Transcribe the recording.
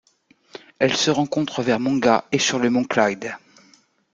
Elle se rencontre vers Monga et sur le mont Clyde.